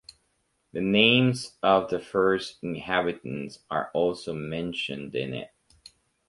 The names of the first inhabitants are also mentioned in it.